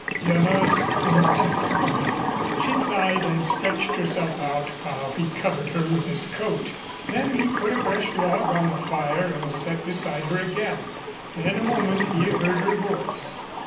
You must go to sleep." She sighed and stretched herself out while he covered her with his coat. Then he put a fresh log on the fire and sat beside her again. In a moment he heard her voice.